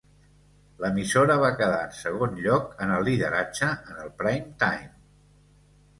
L'emissora va quedar en segon lloc en el lideratge en el prime time.